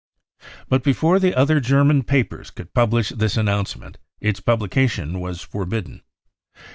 But before the other German papers could publish this announcement, its publication was forbidden.